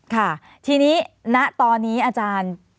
ค่ะทีนี้ณตอนนี้อาจารย์